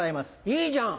いいじゃん。